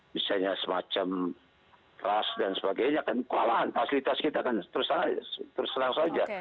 misalnya semacam keras dan sebagainya kan kualan fasilitas kita kan terserah saja